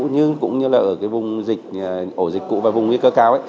nhưng cũng như là ở vùng ổ dịch cũ và vùng nguy cơ cao